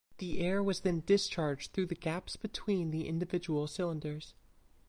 The air was then discharged through the gaps between the individual cylinders.